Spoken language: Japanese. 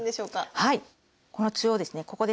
はい。